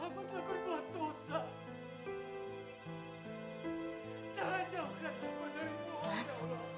mas bangun dong mas